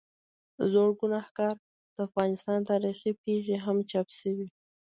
زړوګناهکار، د افغانستان تاریخي پېښې هم چاپ شوي.